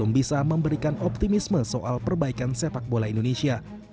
iwan bule juga bisa memberikan optimisme soal perbaikan sepak bola indonesia